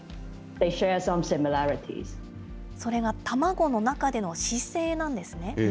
卵の中での姿勢なんですね。